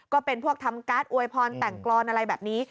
ก็เป็นพวกทำการ์ดอวยพรแต่งกรอนอะไรแบบนี้